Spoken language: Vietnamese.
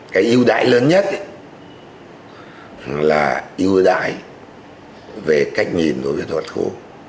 cái ưu đãi lớn nhất là ưu đãi về cách nhìn đối với luật khu